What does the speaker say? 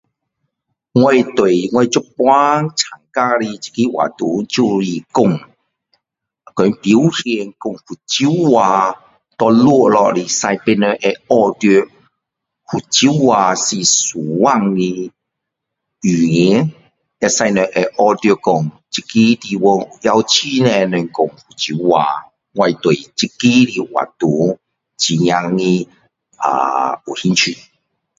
我对我现在参加的这个活动就是说把游戏的福州话给录下来使别人会学到福州话是一种的语言会使人学到说这个地方也有很多人福州话我对这个的活动真的有兴趣